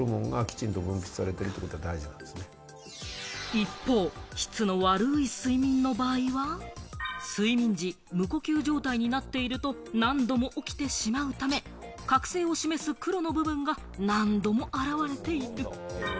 一方、質の悪い睡眠の場合は、睡眠時、無呼吸状態になっていると何度も起きてしまうため、覚醒を示す黒の部分が何度もあらわれている。